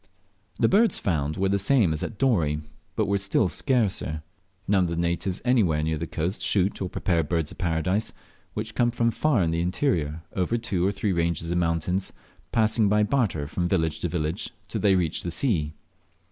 The birds found were the same as at Dorey, but were still scarcer. None of the natives anywhere near the coast shoot or prepare Birds of Paradise, which come from far in the interior over two or three ranges of mountains, passing by barter from village to village till they reach the sea.